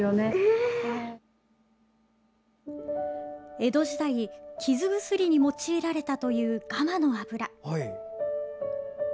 江戸時代、傷薬に用いられたという、ガマの油。